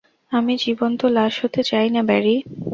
আমি জীবন্ত লাশ হতে চাই না, ব্যারি।